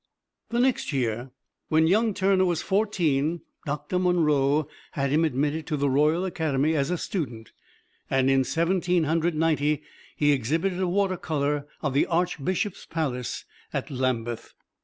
The next year, when young Turner was fourteen, Doctor Munro had him admitted to the Royal Academy as a student, and in Seventeen Hundred Ninety he exhibited a water color of the Archbishop's palace at Lambeth.